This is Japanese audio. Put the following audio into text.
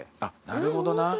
なるほどな。